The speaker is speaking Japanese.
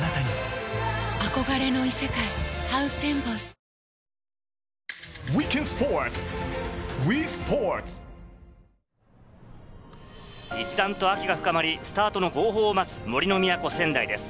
三菱電機一段と秋が深まり、スタートの号砲を待つ杜の都・仙台です。